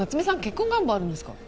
結婚願望あるんですか？